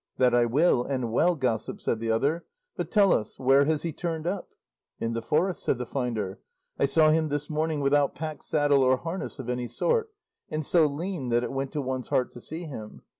'That I will, and well, gossip,' said the other; 'but tell us, where has he turned up?' 'In the forest,' said the finder; 'I saw him this morning without pack saddle or harness of any sort, and so lean that it went to one's heart to see him.